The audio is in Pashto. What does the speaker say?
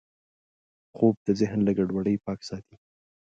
خوب د ذهن له ګډوډۍ پاک ساتي